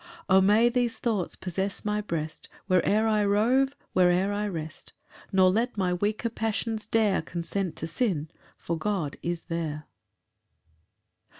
13 "O may these thoughts possess my breast, "Where'er I rove where'er I rest! "Nor let my weaker passions dare "Consent to sin, for God is there."